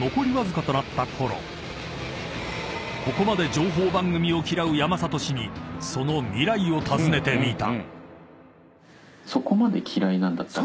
［ここまで情報番組を嫌う山里氏にその未来を尋ねてみた］